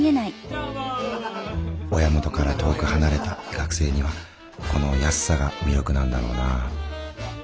親元から遠く離れた学生にはこの安さが魅力なんだろうな。